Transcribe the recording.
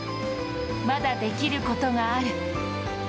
まだ、できることがある。